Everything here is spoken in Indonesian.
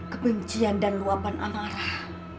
kebencian dan luapan amarah